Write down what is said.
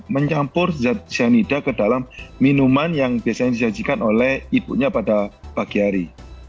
mencampur zat cyanida ke dalam minuman yang biasanya disajikan oleh ibunya pada pagi hari